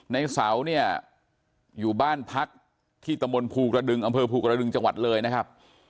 ในเสาเนี่ยอยู่บ้านพักที่ตะมนต์ภูกระดึงอำเภอภูกระดึงจังหวัดเลยนะครับ